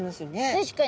確かに。